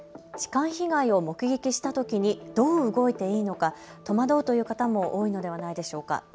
痴漢被害を目撃したときにどう動いていいのか戸惑うという方も多いのではないでしょうか。